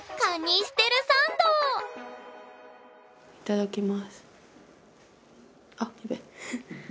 いただきます。